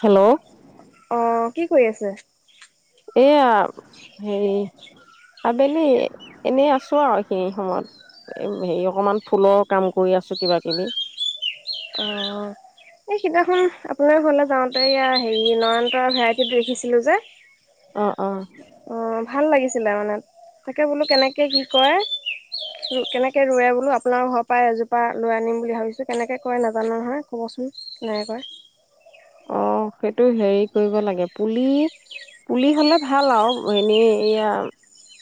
Hello অ' কি কৰি আছে এয়া হেৰি আবেলি এনেই আছো আৰু এইখিনি সময়ত হেৰি অকমান ফুলৰ কাম কৰি আছো কিবা কিবি অ' এই কেইদিনাখন আপোনাৰ ঘৰলে যাওঁতে এয়া হেৰি নয়তৰা ভেৰাইটি দেখিছিলো যে অ' অ' অ', ভাল লাগিছিলে মানে তাকে বোলো কেনেকে কি কৰে কেনেকে ৰৰুৱে বোলো আপোনাৰ ঘৰৰ পৰাই এজোপা লৈ আনিম বুলি ভাবিছো কেনেকে কয় নাজানো নহয় ক'বচোন কেনেকে কৰে, অ সেইটো হেৰি কৰিব লাগে পুলি পুলি হলে ভাল আৰু এনেই এয়া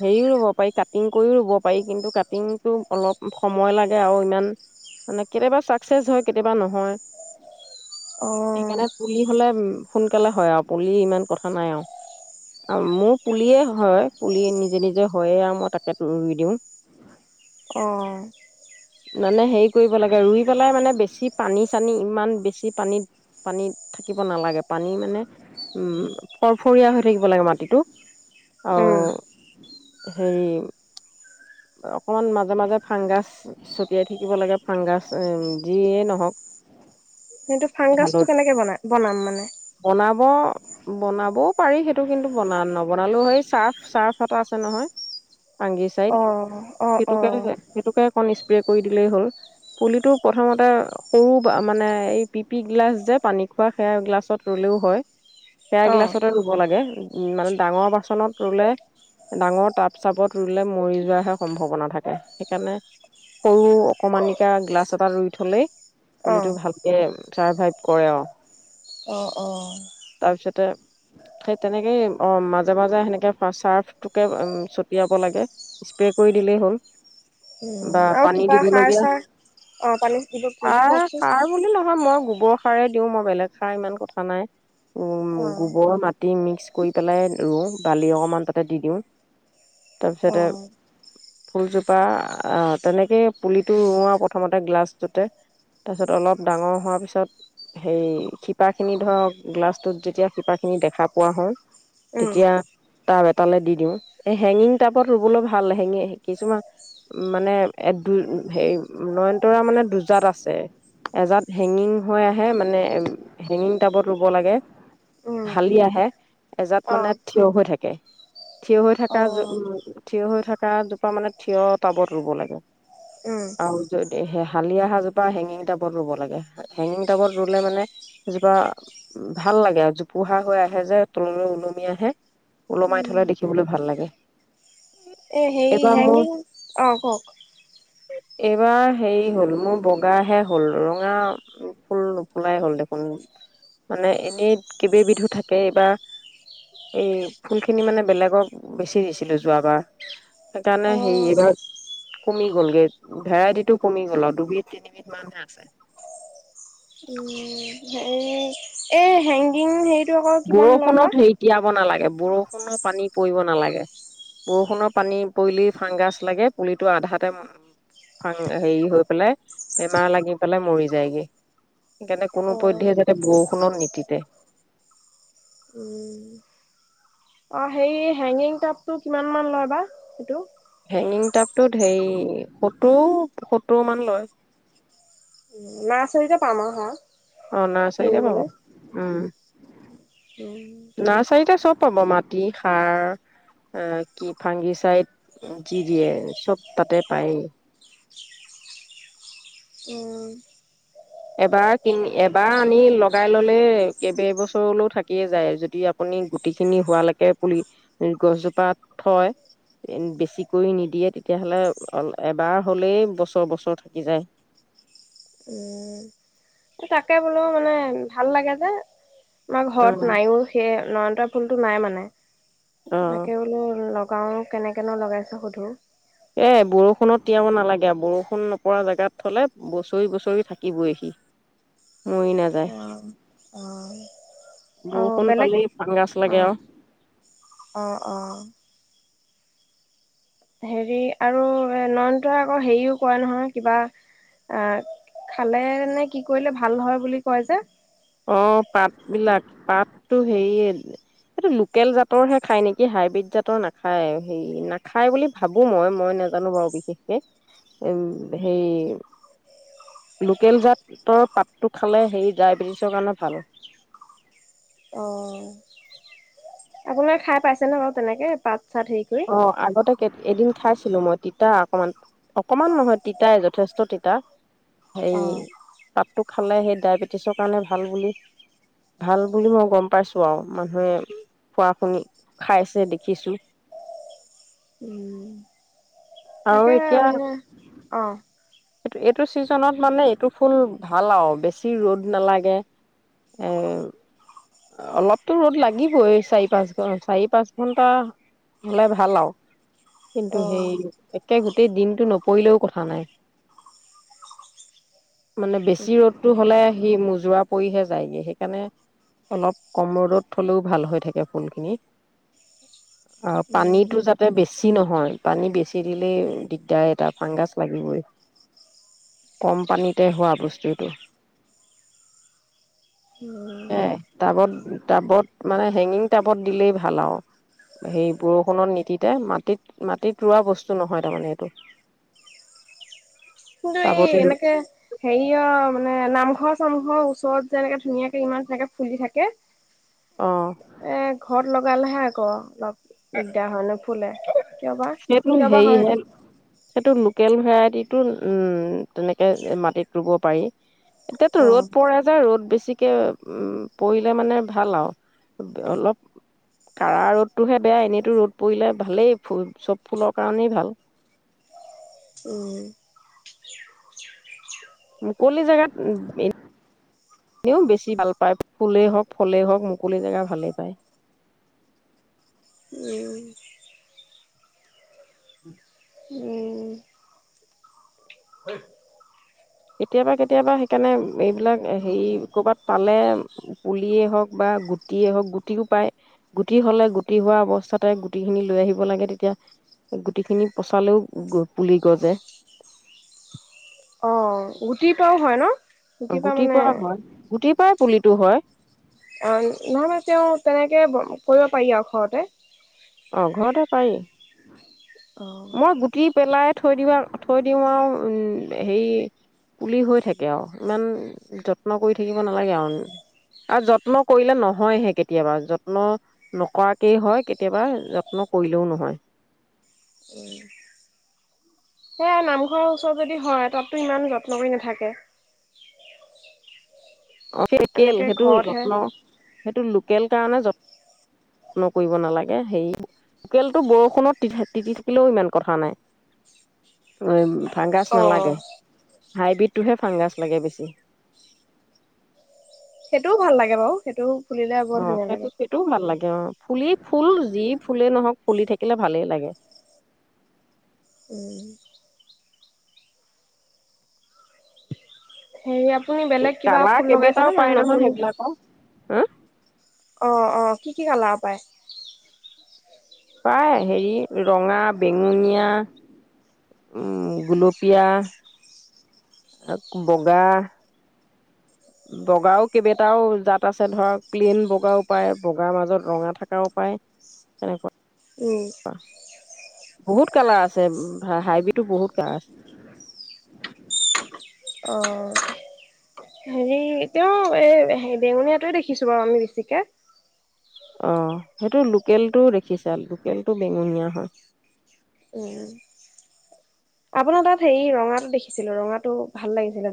হেৰিও ৰুব পাৰি কাটিং কৰিও ৰুব পাৰি কিন্তু কাটিংটো অলপ সময় লাগে আৰু ইমান মানে কেতিয়াবা চাকচেচ হয় কেতিয়াবা নহয় অ', সেইকাৰণে পুলি হ'লে উম সোনকালে হয় আৰু পুলি ইমান কথা নাই আৰু মোৰ পুলিয়ে হয় পুলি নিজে নিজে হয়য়ে আৰু মই তাকে ৰুই দিওঁ অ', মানে হেৰি কৰিব লাগে ৰুই পেলাই মানে বেছি পানী চানী ইমান বেছি পানীত পানীত থাকিব নালাগে পানী মানে উম ফৰফৰীয়া হৈ থাকিব লাগে মাটিটো উম, আৰু হেৰি অকমান মাজে মাজে ফাংগাছ ছটিয়াই থাকিব লাগে ফাংগাছ যিয়েই নহওক সেইটো ফাংগাছটো হালত কেনেকে বনাই বনাম মানে, বনাব বনাবও পাৰি সেইটো কিন্তু বনা নবনালেও সেই চাৰ্ফ চাৰ্ফ এটা আছে নহয় আঙগি চাইত অ', অ', সেইটো কাৰণে অ', নাই সেইটো কাৰণে খন স্প্ৰে কৰি দিলেই হ'ল পুলিটো প্ৰথমতে সৰু মানে এই পিপি গ্িলাছ যে পানী খোৱা সেয়া গিলাছত ৰুলেও হয় পে অ', গিলাচতে ৰুব লাগে উ মানে ডাঙৰ বাচনত ৰুলে ডাঙৰ টাব চাবত ৰুলে মৰি যোৱা হে সম্ভাৱনা থাকে সেইকাৰণে সৰু অকণমানিকা গ্লাছ এটা ৰুই থলেই পুলিটো অ', ভালকে চাৰভাইভ কৰে আৰু অ', অ'। তাৰপিছতে সেই তেনেকেই অ মাজে মাজে সেনেকে চাৰ্ফটোকে ছটিয়াব লাগে স্প্ৰে ক দিলেই হ'ল, উম, বা আৰু পানী কিবা সাৰ দিবলগীয়া চাৰ অ', পানী দিব স কি কওকচোন? সাৰ বুলি নহয় মই গোবৰ সাৰেই দিওঁ মই বেলেগ সাৰ ইমান কথা নাই, অ', গোবৰ মাটি মিক্স কৰি পেলাই ৰুওঁ বালি অকণমান তাতে দি দিওঁ তাৰপিছতে অ', ফুলজোপা অ', তেনেকে পুলিটো ৱা প্ৰথমতে গ্লাছটোতে তাৰপিছত অলপ ডাঙৰ হোৱাৰ পিছত সেই শিপা খিনি ধৰক গ্লাছটোত যেতিয়া শিপা খিনি দেখা পোৱা হওঁ উম। তেতিয়া টাব এটালৈ দি দিওঁ এই হেঙিং টাবত ৰুবলৈ ভাল হেঙিং কিছুমান মানে এ, দু, হে নয়নতৰা মানে দুজাত আছে এজাত হেঙিং হৈ আহে মানে হেঙিং টাবত ৰুব লাগে উম হালি আহে। এজাত অ মানে থিয় হৈ থাকে। থিয় হৈ থকা অ উম, থিয় হৈ থকা জোপা মানে থিয় টাবত ৰুব লাগে উম আৰু যদি হালি হাজোপা হেঙিং টাবত ৰুব লাগে হেঙিং টাবত ৰুলে মানে এজোপা ভাল লাগে আৰু জোপো হা হৈ আহে যে তললৈ ওলমি আহে ওলমাই উম থ'লে দেখিবলৈ ভাল লাগে। এ, সেই কি এইবাৰ মোৰ হেংগিং অ', কওঁক। এইবাৰ হেৰি হ'ল মোৰ বগাহে হল ৰঙা ফুল নুফুলাই হ'ল দেখোন মানে এনেই কেইববিধো থাকে এইবাৰ এই ফুল খিনি মানে বেলেগক বেচি দিছিলো যোৱাবাৰ। সেইকাৰণে অ হেৰি এইবাৰ কমি গ'লগে ভেৰাইটিটো কমি গ'ল আৰু দুবিধ তিনিবধ মানহে আছে। উম ই বৰষুণত হেৰিতিয়াব নালাগে। বৰষুণৰ পানী পৰিব নালাগে বৰষুণৰ পানী পৰিলেই ফাংগাছ লাগে পুলিটো আধাতোং হেৰি হৈ পেলাই বেমাৰ লাগি পেলাই মৰি যায়গৈ সেইকাৰণে অ কোনোপধয় যাতে বৰষুণৰ নীতিতে উম অ', সেই হেগিং টাপ টো কিমান মান লয় বা এইটো। হেগিং টাবটোত হেৰি সত্তৰ সত্তৰ মান লয়। নাৰ্চাৰীতে পাম আৰু হা। অ', ন' চাৰৰে বাবু কিনিবলৈ উম। উম ন' চাৰটা সব চব পাব মাটি সাৰ কি ফাগি চাইড যি দিয়ে চব তাতে পায়। উম এবাৰ কিন এবাৰ আনি লগাই ল'লে কেইব বছৰলৈও থাকিয়ে যায় যদি আপুনি গুটি খিনি হোৱালৈকে পুলি গছজোপা থয় বেছি কৰি নিদিয়ে তেতিয়াহ'লে এবাৰ হ'লে বছৰ বছৰ থাকি যায়। উম তাকে বোলো মানে ভাল লাগে যে। আমাৰ উম ঘৰত নাইও সেই নয়নতাৰ ফুলতটো নাই মানে। অ তাকে বোলো লগ গাঁৱ কেনেকৈ ন' লগাইছে সুধো। এ, বৰষুণত তিয়াব নালাগে। এতিয়া বৰষুণ নপৰা জেগাত থলে বছৰি বছৰি থাকিবই সি মৰি নাযায়। অ অ', বৰষুণ বেলেগ পালি পান গাজ অ লাগে আৰু। অ অ হেৰি আৰু নয়নতে আকৌ হেৰিও কয় নহয় কিবা অ খালে নে কি কৰিলে ভাল হয় বুলি কয় যে। অ' পাত বিলাক পাত। টো হেৰি এইটো লোকেল জাতৰহে খায় নেকি হাইব্ৰীড জাতৰ নাখায় হেৰি নাখায় বুলি ভাবো মই মই নাজানো বাৰু বিশেষকে উম হে লোকেল জাতৰ পাতটো খালে হে ডায়বেটিছ। [unintelligible] কাৰণে ভাল। অ। আপোনাৰ খাই পাইছে ন বাৰু তেনেকে পাত। চাত হেৰি কৰি অ' আগতে এদিন খাইছিলো মই। তিতা অকমান অকমান নহয় তিতাই যথেষ্ট তিতা সেই পাতটো খালে সেই ডায়েবেটিছৰ কাৰণে ভাল বুলি ভাল বুলি মই গম পাইছো আৰু মানুহে খোৱা শুনি খাইছে দেখিছো। উম। আৰু তাকে এতিয়া মানে অ'। এইটো এইটো ছিজনত মানে এইটো ফুল ভাল আৰু বেছি ৰ'দ নালাগে এ। অলপতো ৰ'দ লাগিবই চাৰি পাঁচ ঘ চাৰি পাঁচ ঘন্টা হলে ভাল আৰু। কিন্তু সেই একে গোটেই দিন নপৰিৰেও কথা নাই। মানে বেছি ৰ'দটো হ'লে আহি মোযোৱা কৰিহে যায়গে সেইকাৰণে। অলপ কম ৰ'দত থ'লেও ভাল হৈ থাকে ফুলখিনি। অ উম, পানীটো যাতে বেছি নহয় পানী বেছি দিলেই দিগদাৰ এটা ফাংগাছ লাগিবই কম পানীতে হোৱা বস্তুটো। উম, এ টাবত টাবত মানে হেগিং টাবত দিলেই ভাল আৰু সেই বৰষুণত নিতিতে মাটিত মাটিত ৰোৱা বস্তু নহয় তাৰমানে এইটো। কিন্তু টাবতে এই এনেকে হেৰি অ মানে নামঘৰ মানুহৰ ওচৰত যেনেকে ধুনীয়াকে ইমান তেনেকে ফুলি থাকে। অ এক ঘৰত লগালেহে আকৌ অলপ দিগদাৰ হয় নুফুলে কিয় বা সেইটো কিয় বা হয় হেৰিহে আৰু এইটো। সেইটো লোকেল ভেৰাইটিটো উম তেনেকে মাটিত ৰুব পাৰি। এতিয়াতো উম ৰ'দ পৰে যায় ৰ'দ বেছি। বেছিকে উম পৰিলে মানে ভাল আৰু অলপ কাঢ়া ৰ'দটোহে বেয়া এনেইতো ৰ'দ পৰিলে ভালেই ফ চব ফুলৰ কাৰণেই ভাল উম মুকলি জোগাত এ এও বেছি ভাল পায় ফুলেই হওক ফলেই হওক মুকলি জেগা ভালেই পায়। উম উম হিচ কেতিয়াবা কেতিয়াবা, কেনে এইবিলাক হেৰি ক'ৰবাত পালে, পুলিয়েই হওক বা গুটিয়েই হওক গুটিও পায় গুটি হলে গুটি হোৱা অৱস্থাতে গুটি খিনি লৈ আহিব লাগে তেতিয়া গুটি খিনি পচালেও পুলি গজে, অ' গুটিৰ পৰাও হয় ন! গুটিৰ পৰা হয় গুটিৰ পৰা, পুলিটো হয়। অ' নহ মান তেওঁ তেনেকে কৰিব পাৰি আৰু ঘৰতে অ ঘৰতে পাৰি। অ উম মই গুটি পেলাই থৈ দিওঁ থৈ দিওঁ আৰু উম হেৰি পুলি হৈ থাকে, আৰু ইমান যত্ন কৰি থাকিব নালাগে, আৰু-আৰু যত্ন কৰিলে নহয়হে কেতিয়াবা যত্ন নকৰাকেই হয়। কেতিয়াবা যত্ন কৰিলেও নহয় সে নামঘৰৰ ওচৰত যদি হয় তাততো ইমান যত্ন কৰি নাথাকে। অ [unintelligible] এনেকে সেইটো ঘৰতহে যত্ন সেইটো ল লোকেল কাৰণে যতন যত্ন কৰিব নালাগে সে লোকেলটো বৰষুণত তিতি থাকিলেও ইমান কথা নাই। ওম ভাংগাছ অ নালাগে হাইব্ৰীড টোহে ফাংগাছ লাগে বেছি। সেইটোও ভাল লাগে বাৰু সেইটোও অ সেইটো সেইটোও ভাল লাগে অ ফুলি ফুল যি ফুলেই নহওক ফুলি থাকিলে ভালেই লাগে। উম সেইআৱ জাবা কেইবেইটাও পাই নহয় সেইবিলাকৰ হম অ-অ কি-কি কালাৰ পায়। পায় হেৰি ৰঙা, বেঙুনীয়া উ গুলপীয়া, বগা বগাও কেইবটাও জাত আছে ধৰক ক্লিন বগাও পায় বগাৰ মাজত ৰঙা থকাও পায় সেনেকুৱা উম বহুত কালাৰ আছে হাইব্ৰীটো বহুত কালাৰ আছে। অ' হেৰি তেওঁ এই বেঙুনীয়াটে দেখিছো বাৰু আমি বেছিকে। অ সেইটো লোকেলটোও দেখিছা লোকেলটো বেঙুনীয়া হয়। উম আপোনাৰ তাত হেৰি ৰঙাটো দেখিছিলো, ৰঙাটো ভাল লাগিছিলে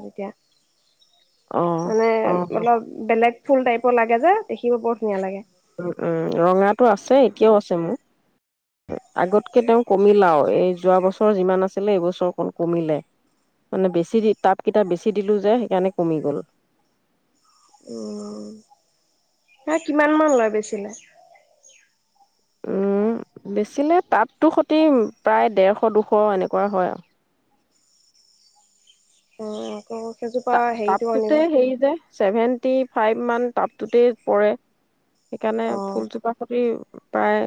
অ তেতিয়া। মানে অ মলপ বেলেগ ফুল টাইপৰ লাগে যে দেখিব বৰ ধুনীয়া লাগে। উম-উম ৰঙাতো আছে, এতিয়াও আছে, মোৰ আগতকে তেওঁ কমিলাও এই যোৱা বছৰ যিমান আছিলে। এইবছৰ অকণ কমিলে মানে বেছি টাপ কেইটাপ বেছি দিলোঁ যে সেইকাৰণে কমি গ'ল। উম হ কিমান মান লয় বেছিলে? উম বেচিলে তাপতো সতি প্ৰায় ডেৰশ দুশ এনেকুৱা হয়, আৰু উম ত তাপটোতে সেই যে ছেভেন [unintelligible] ফাইভ মান টাপটোতে পৰে সেইকাৰণে অ'। ফুলজোপা প্ৰতি প্ৰায়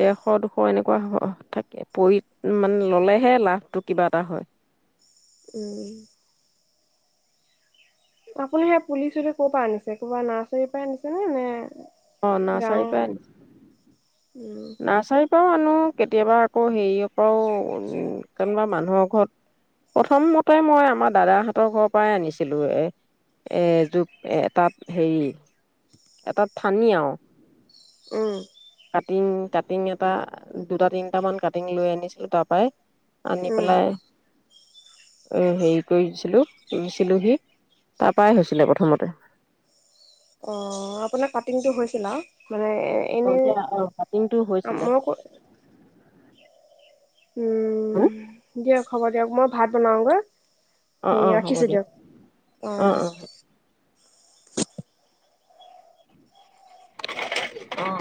ডেৰশ দুশ এনেকুৱা থাকে পৰি মানে ললেহে লাভটো কিবা এটা হয়। উম আপুনি সেই পুলি চুলি ক'ৰ পৰা আনিছে কবা নাৰ্চাৰীৰ পৰা আনিছে নে-নে অ নাৰ্চাৰী পাই আনিছে উম। নাৰ্চাৰীত ও আনো কেতিয়াবা আকৌ হেৰিয় পৰাও কেনবা মানুহৰ ঘৰত প্ৰথম মতে মই আমাৰ দাদাহঁতৰ ঘৰৰ পৰাই আনিছিলো এ এজো এ এটাত হেৰি এটা থানি আও উম কাটিং কাটিং এটা দুটা তিনটা মান কাটিং লৈ আনিছিলো তাৰ পৰাই আনি উম, পেলাই। হেৰি কৰিছিলোঁ, ৰুইছিলোহি। তাৰপায় হৈছিলে প্ৰথমতে, অ আপোনাৰ কাটিংটো হৈছিলা হয় দিয়া, অহ ', কাটিংটো হৈছিলে। মই উম ', দিয়ক হ'ব দিয়ক মই ভাত বনাওগৈ অ অ হ'ব দিয়ক অঁ অ অ ৰাখিছোঁ হ' অহ